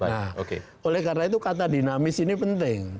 nah oleh karena itu kata dinamis ini penting